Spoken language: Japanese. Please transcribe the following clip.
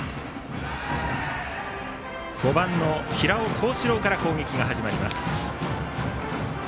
５番の平尾幸志郎から攻撃が始まります。